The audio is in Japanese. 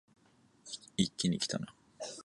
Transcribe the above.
一気にきたな